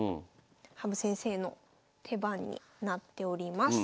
羽生先生の手番になっております。